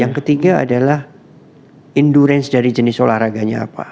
yang ketiga adalah endurance dari jenis olahraganya apa